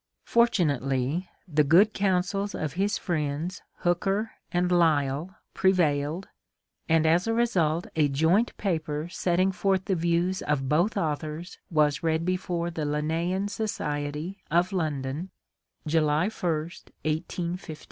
Fortunately the good counsels of his friends Hooker and Lyell prevailed and as a result a joint paper setting forth the views of both authors was read before the Linnaean Society of London July 1 , 1858.